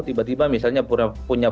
tiba tiba misalnya punya